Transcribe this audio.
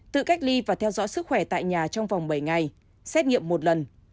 tự cách ly và theo dõi sức khỏe tại nhà trong vòng bảy ngày xét nghiệm một lần